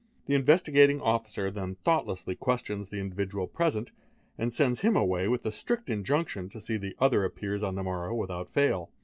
The _ 19 anol eR A GAD oN I SEES ee _ Investigating Officer then thoughtlessly questions the individual present | and sends him away with a strict injunction to see that the other appears | on the morrow without fail.